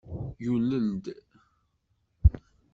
Yulel-d.